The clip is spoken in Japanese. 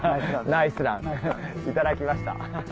ナイスラン頂きました。